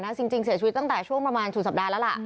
จริงเสียชีวิตตั้งแต่ช่วงประมาณสุดสัปดาห์แล้วล่ะ